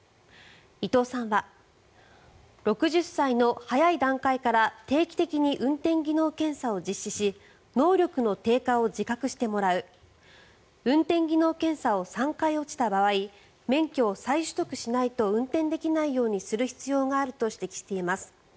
伊藤さんは６０歳の早い段階から定期的に運転技能検査を実施し能力の低下を自覚してもらう運転技能検査を３回落ちた場合免許を再取得しないと運転できないようにする必要があると指摘しています。